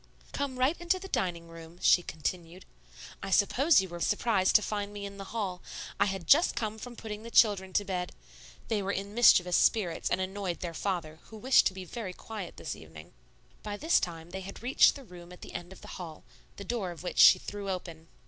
"Come right into the dining room," she continued. "I suppose you were surprised to find me in the hall; I had just come from putting the children to bed. They were in mischievous spirits and annoyed their father, who wished to be very quiet this evening." By this time they had reached the room at the end of the hall, the door of which she threw open.